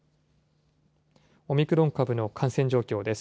オミクロン株の感染状況です。